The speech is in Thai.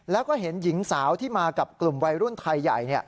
แล้วก็เห็นหญิงสาวที่มากับกลุ่มวัยรุ่นไทยใหญ่